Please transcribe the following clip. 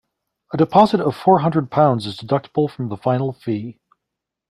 A deposit of four hundred pounds is deductible from the final fee.